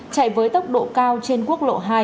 chạy với tốc độ cao trên quốc lộ hai